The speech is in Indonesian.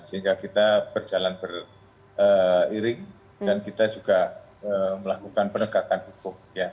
sehingga kita berjalan beriring dan kita juga melakukan penegakan hukum